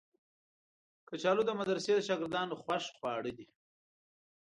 کچالو د مدرسې د شاګردانو خوښ خواړه دي